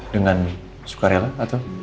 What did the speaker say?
dengan sukarela atau